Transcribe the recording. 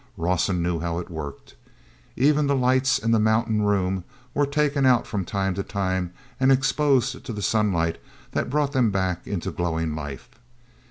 Rawson knew how it worked. Even the lights in the mountain room were taken out from time to time and exposed to the sunlight that brought them back into glowing life.